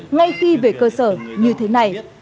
ngay khi về cơ sở như thế này